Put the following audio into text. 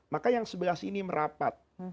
maka yang sebelah sini merapat